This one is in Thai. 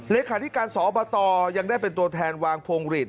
เลขาธิการสอบตยังได้เป็นตัวแทนวางพวงหลีด